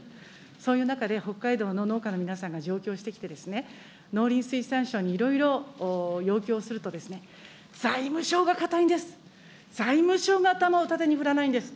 そういう中で、北海道の農家の皆さんが上京してきてですね、農林水産省にいろいろ要求をすると、財務省が固いんです、財務省が頭を縦に振らないんです。